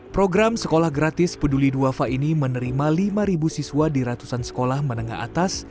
program sekolah gratis peduli duafa ini menerima lima siswa di ratusan sekolah menengah atas